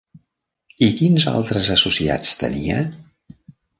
I quins altres associats tenia?